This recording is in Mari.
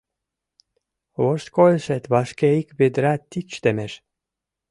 Вошткойшет вашке ик ведра тич темеш.